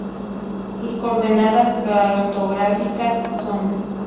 Sur coordenadas cartográficas son